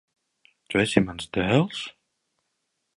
Tu esi mans dēls?